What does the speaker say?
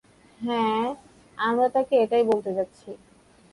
হ্যাঁ, আমরা তাকে এটাই বলতে যাচ্ছি!